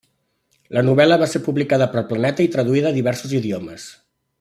La novel·la va ser publicada per Planeta i traduïda a diversos idiomes.